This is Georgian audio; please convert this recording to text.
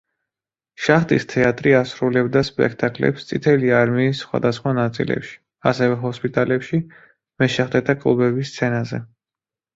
შახტის თეატრი ასრულებდა სპექტაკლებს წითელი არმიის სხვადასხვა ნაწილებში, ასევე ჰოსპიტალებში, მეშახტეთა კლუბების სცენაზე.